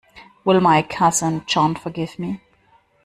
Will my cousin John forgive me?